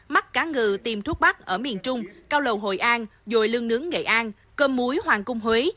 mắt cá ngừ tiềm thuốc bắc ở miền trung cao lầu hội an dồi lương nướng nghệ an cơm muối hoàng cung huế